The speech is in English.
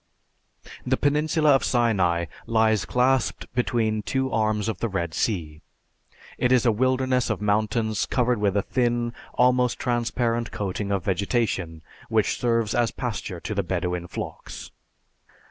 The Peninsula of Sinai lies clasped between two arms of the Red Sea. It is a wilderness of mountains covered with a thin, almost transparent coating of vegetation which serves as pasture to the Bedouin flocks.